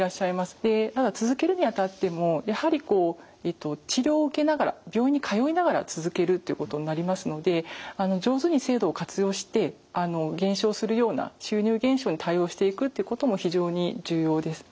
で続けるにあたってもやはり治療を受けながら病院に通いながら続けるということになりますので上手に制度を活用して減少するような収入減少に対応していくってことも非常に重要です。